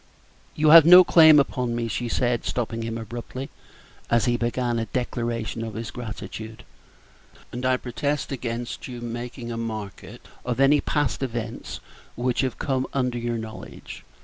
"You have no claim upon me," she said, stopping him abruptly, as he began a declaration of his gratitude, "and I protest against your making a market of any past events which have come under your knowledge.